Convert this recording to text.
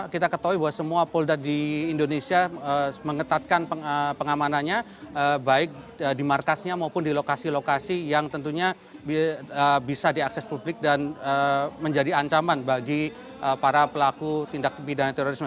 kita ketahui bahwa semua polda di indonesia mengetatkan pengamanannya baik di markasnya maupun di lokasi lokasi yang tentunya bisa diakses publik dan menjadi ancaman bagi para pelaku tindak pidana terorisme